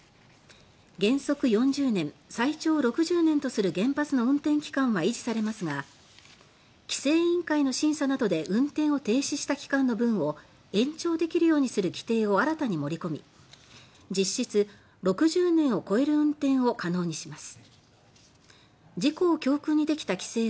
原則４０年、最長６０年とする原発の運転期間は維持されますが規制委員会の審査などで運転を停止した期間の分を延長できるようにする規定を新たに盛り込み実質、６０年を超える運転を可能にします。